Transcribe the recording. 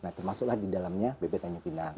nah termasuklah di dalamnya bp tanjung pinang